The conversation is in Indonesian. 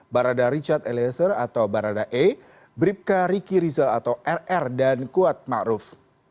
barada richard eliezer atau barada e bripka riki rizal atau rr dan kuat ma'ruf